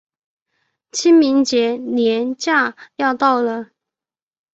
清明节连假要到了